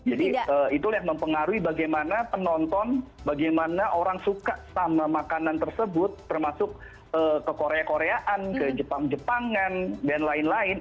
jadi itu yang mempengaruhi bagaimana penonton bagaimana orang suka sama makanan tersebut termasuk ke korea koreaan ke jepang jepangan dan lain lain